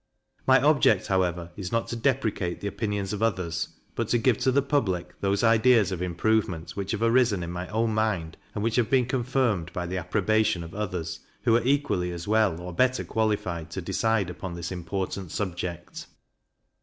My object, however, is not to deprecate the opinions of others, but to give to the public those ideas of improvement which have arisen in my own mind, and which have been confirmed by the approbation of others, who are equally as well or better qualified to decide upon this important subject.